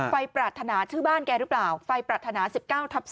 ไฟปรสถานะชื่อบ้านแกรึเปล่าไฟปรสถานะ๑๙ทับ๔